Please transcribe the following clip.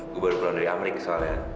gue baru pulang dari amrik soalnya